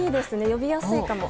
呼びやすいかも。